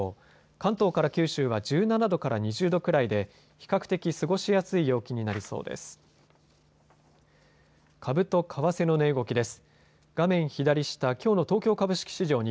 関東から九州は１７度から２０度くらいで比較的過ごしやすい陽気になりそうです。